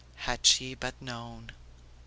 Had she but known! ...